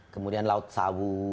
kemudian laut sawu